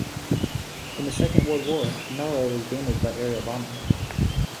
In the Second World War, Naro was damaged by aerial bombing.